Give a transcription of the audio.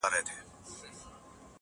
له قرآن نه واټن د بې لارۍ سبب کېدی شي